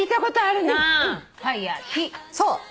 そう。